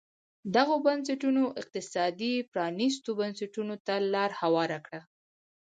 دغو بنسټونو اقتصادي پرانیستو بنسټونو ته لار هواره کړه.